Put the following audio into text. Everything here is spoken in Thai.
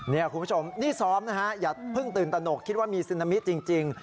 นี่คุณผู้ชมนี่ซ้อมนะฮะอย่าเพิ่งตื่นตนกคิดว่ามีซึนามิจริง